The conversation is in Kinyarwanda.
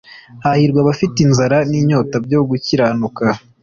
«Hahirwa abafite inzara n'inyota byo gukiranuka».